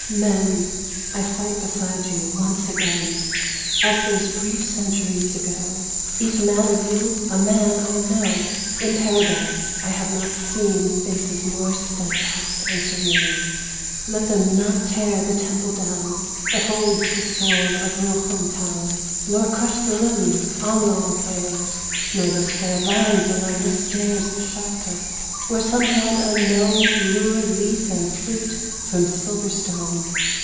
Men, I fight beside you once again, As those brief centuries ago : Each man of you a man I know ! In Paradise I have not seen Faces more steadfast and serene. Let them not tear the temple down That holds the soul of Rouen town, Nor crush the lilies Amiens wears, Nor those fair vines along the stairs Of Chartres, where some hand unknown Lured leaf and fruit from silver stone.